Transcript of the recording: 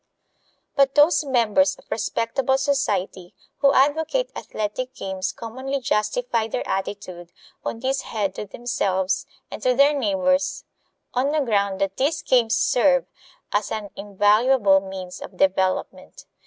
But those members of respectable society who advocate athletic games commonly justify their attitude on this head to themselves and to their neighbors on the ground that these games serve as an invaluable means of development.